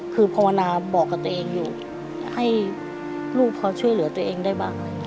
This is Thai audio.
คือภาวนาบอกกับตัวเองอยู่ให้ลูกพอช่วยเหลือตัวเองได้บ้าง